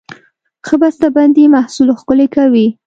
ښه بسته بندي محصول ښکلی کوي.